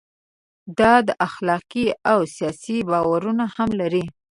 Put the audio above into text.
دا اخلاقي او سیاسي باورونه هم لري.